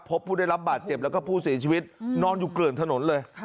พบผู้ได้รับบาดเจ็บแล้วก็ผู้เสียชีวิตนอนอยู่เกลื่อนถนนเลย